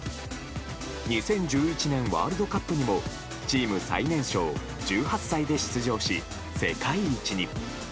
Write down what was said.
２０１１年ワールドカップにもチーム最年少１８歳で出場し、世界一に。